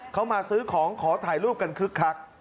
เขามาซื้อของขอถ่ายรูปกันคึกคัก